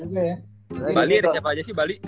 di bali ada siapa aja sih bali